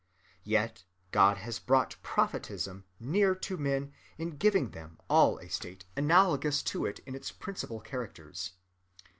Yet God has brought prophetism near to men in giving them all a state analogous to it in its principal characters.